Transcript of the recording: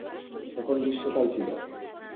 তখন গ্রীষ্মকাল ছিলো।